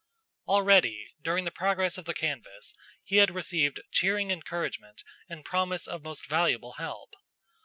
Already, during the progress of the canvass, he had received cheering encouragement and promise of most valuable help.